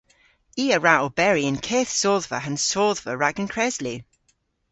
I a wra oberi y'n keth sodhva ha'n sodhva rag an kreslu.